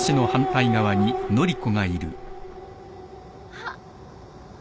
あっ。